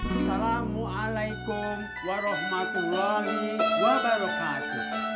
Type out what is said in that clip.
assalamualaikum warahmatullahi wabarakatuh